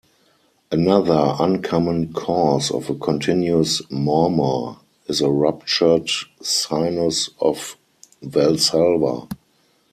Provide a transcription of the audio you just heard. Another uncommon cause of a continuous murmur is a ruptured sinus of valsalva.